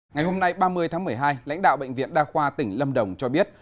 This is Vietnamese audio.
ngày hôm nay ba mươi tháng một mươi hai lãnh đạo bệnh viện đa khoa tỉnh lâm đồng cho biết